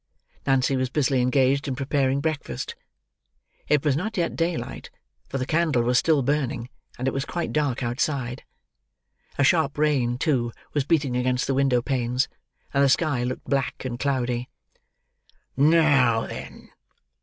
Nancy was busily engaged in preparing breakfast. It was not yet daylight; for the candle was still burning, and it was quite dark outside. A sharp rain, too, was beating against the window panes; and the sky looked black and cloudy. "Now, then!"